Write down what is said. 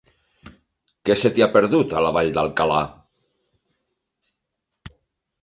Què se t'hi ha perdut, a la Vall d'Alcalà?